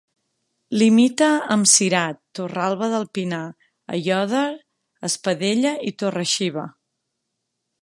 Limita amb Cirat, Torralba del Pinar, Aiòder, Espadella i Torre-xiva.